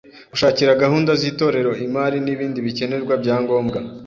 Gushakira gahunda z’Itorero imari n’ibindi bikenerwa bya ngombwa;